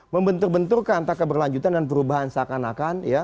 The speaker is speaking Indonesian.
membentur benturkan antara keberlanjutan dan perubahan seakan akan